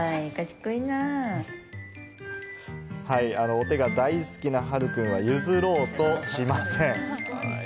お手が大好きなはるくんは譲ろうとしません。